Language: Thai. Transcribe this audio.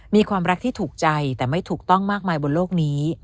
มีความรักที่ถูกใจแต่ไม่ถูกต้องมากมายบนโลกนี้